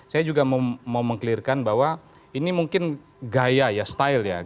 saya juga mau meng clearkan bahwa ini mungkin gaya ya style ya